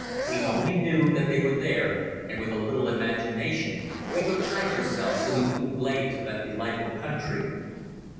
We only knew that they were there and with a little imagination we could hide ourselves in the cool glades of that delightful country.